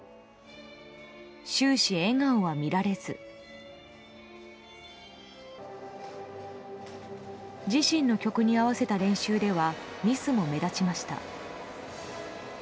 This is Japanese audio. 終始、笑顔は見られず自身の曲に合わせた練習ではミスも目立ちました。